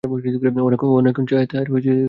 অনেকক্ষণ চাহিয়া তাহার কেমন মনে হইল।